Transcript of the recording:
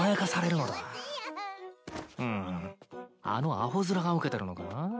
うんあのアホ面がウケてるのか？